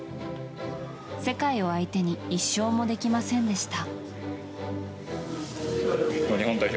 世界を相手に１勝もできませんでした。